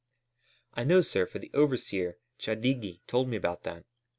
"I know, sir, for the overseer, Chadigi, told me about that.